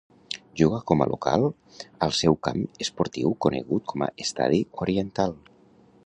Juga com a local al seu camp esportiu conegut com a Estadi Oriental.